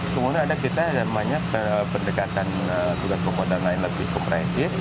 kemudian ada kita namanya pendekatan tugas pokok dan lain lebih komprehensif